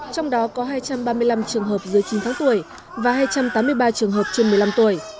trong đó có hai trăm ba mươi năm trường hợp dưới chín tháng tuổi và hai trăm tám mươi ba trường hợp trên một mươi năm tuổi